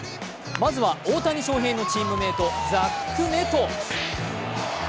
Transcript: まずは大谷翔平のチームメート、ザック・ネト。